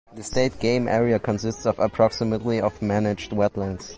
The state game area consists of approximately of managed wetlands.